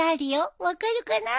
分かるかな？